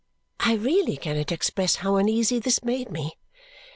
I really cannot express how uneasy this made me.